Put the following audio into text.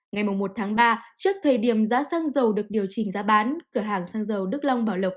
ngày một tháng ba trước thời điểm giá xăng dầu được điều chỉnh giá bán cửa hàng xăng dầu đức long bảo lộc